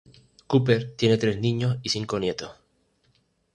Cooper tiene tres niños y cinco nietos.